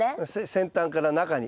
先端から中に。